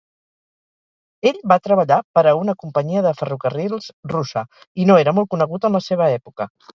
Ell va treballar per a una companyia de ferrocarrils russa i no era molt conegut en la seva època.